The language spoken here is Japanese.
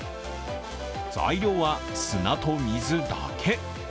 材料は砂と水だけ。